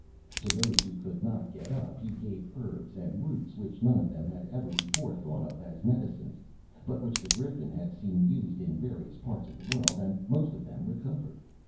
To those who could not get up, he gave herbs and roots, which none of them had ever before thought of as medicines, but which the Griffin had seen used in various parts of the world; and most of them recovered.